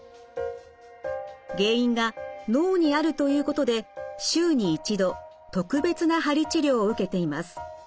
原因が脳にあるということで週に１度特別な鍼治療を受けています。